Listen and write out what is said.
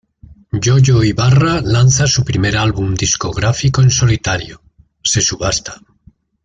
Yoyo Ibarra lanza su primer álbum discográfico en solitario Se Subasta.